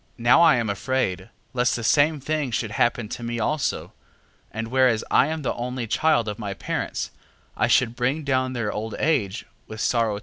6:15. Now I am afraid, lest the same thing should happen to me also: and whereas I am the only child of my parents, I should bring down their old age with sorrow to hell.